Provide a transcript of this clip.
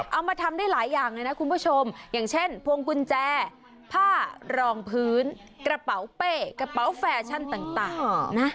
เอามาทำได้หลายอย่างเลยนะคุณผู้ชมอย่างเช่นพวงกุญแจผ้ารองพื้นกระเป๋าเป้กระเป๋าแฟชั่นต่างนะ